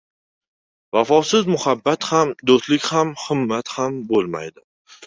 Vafosiz muhabbat ham, do‘stlik ham, himmat ham bo‘lmaydi.